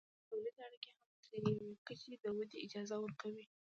د تولید اړیکې هم تر یوې کچې د ودې اجازه ورکوي.